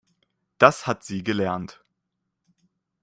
Das hat sie gelernt.